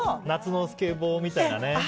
夏のスケボーみたいなね。